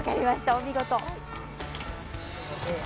お見事！